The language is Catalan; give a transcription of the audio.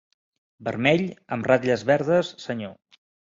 Vermell, amb ratlles verdes, senyor.